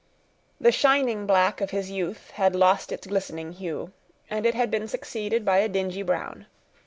The shining black of his youth had lost its glistening hue, and it had been succeeded by a dingy brown.